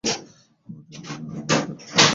আমরা থাকতে তোকে জেলে কে নিয়ে যাবে।